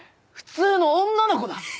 普通の女の子だ。